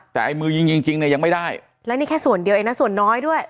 แต่ไอ้มือยิงจริงจริงเนี่ยยังไม่ได้แล้วนี่แค่ส่วนเดียวเองนะส่วนน้อยด้วย